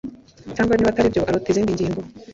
cyangwa niba atari byo arota izindi ngingo